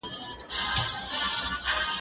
زه اوس چپنه پاکوم!؟